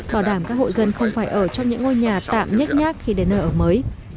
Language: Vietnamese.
bảo đảm các hộ dân không phải ở trong những ngôi nhà tạm nhắc nhác khi đến nơi ở mới